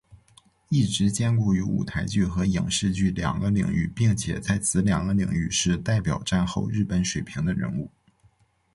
一直兼顾于舞台剧和影视剧两个领域并且在此两个领域是代表战后日本水平的人物。